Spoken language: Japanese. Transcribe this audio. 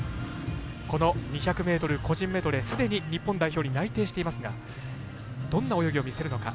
２００ｍ個人メドレーにすでに日本代表に内定していますがどんな泳ぎを見せるのか。